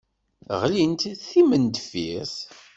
Ɣlint d timendeffirt.